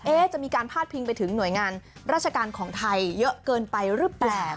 เอ๊ะจะมีการพาดพิงไปถึงหน่วยงานราชการของไทยเยอะเกินไปรึแบบ